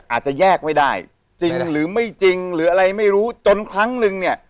อาจจะแยกไม่ได้จริงหรือไม่จริงหรืออะไรไม่รู้จนครั้งนึงเนี่ย